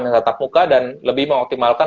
yang tetap muka dan lebih mengoptimalkan